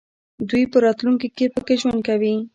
دوی په راتلونکي کې پکې ژوند کوي.